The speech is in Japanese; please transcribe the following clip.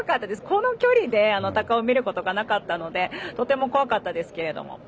あの距離でタカを見ることはなかったのでとても怖かったですけども。